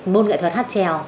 môn nghệ thuật hát trèo